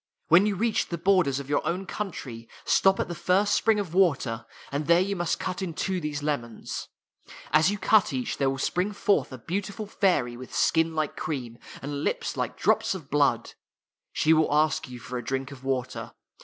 When you reach the borders of your own country, stop at the first spring of water, and there you must [ 4 ] THE THREE LEMONS cut in two these lemons. As you cut each, there will spring forth a beautiful fairy, with skin like cream, and lips like drops of blood. She will ask you for a drink of water.